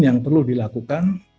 yang perlu dilakukan